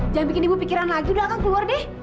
jangan bikin ibu pikiran lagi udah akang keluar deh